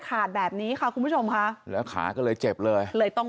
ขาดแบบนี้ค่ะคุณผู้ชมค่ะแล้วขาก็เลยเจ็บเลยเลยต้อง